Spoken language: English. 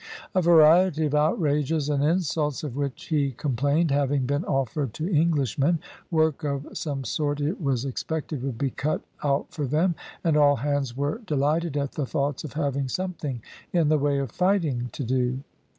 A variety of outrages and insults of which he complained having been offered to Englishmen, work of some sort it was expected would be cut out for them, and all hands were delighted at the thoughts of having something in the way of fighting to do.